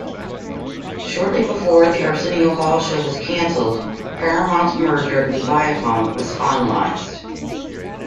Shortly before "The Arsenio Hall Show" was canceled, Paramount's merger with Viacom was finalized.